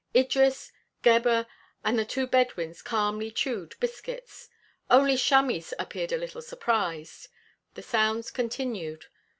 Idris, Gebhr and the two Bedouins calmly chewed biscuits, only Chamis appeared a little surprised. The sounds continued.